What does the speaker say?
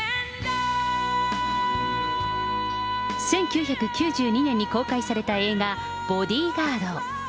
１９９２年に公開された映画、ボディガード。